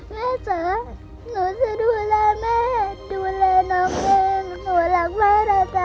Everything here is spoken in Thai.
แม่จ๋าหนูจะดูแลแม่ดูแลน้องเองหนูรักแม่นะจ๊ะ